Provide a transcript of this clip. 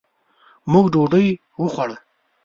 موږ ډوډۍ وخوړه.